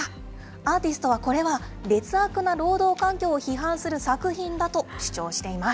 アーティストは、これは劣悪な労働環境を批判する作品だと主張しています。